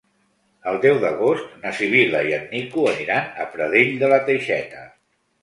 El deu d'agost na Sibil·la i en Nico aniran a Pradell de la Teixeta.